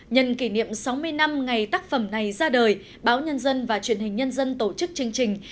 nhân kỷ niệm sáu mươi năm ngày tác phẩm này ra đời báo nhân dân và truyền hình nhân dân tổ chức chương trình